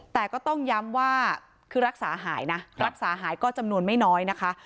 แต่ก็ต้องย้ำว่าคือรักษาหายนะรักษาหายก็จำนวนไม่น้อยนะคะ